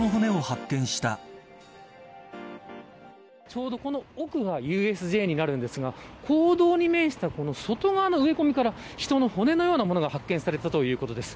ちょうどこの奥がＵＳＪになるんですが公道に面した外側の植え込みから人の骨のようなものが発見されたということです。